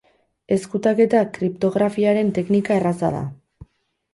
Ezkutaketa kriptografiaren teknika erraza da.